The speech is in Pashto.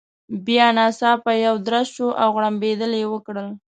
بیا ناڅاپه یو درز شو، او غړمبېدل يې وکړل.